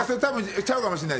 ちゃうかもしれない？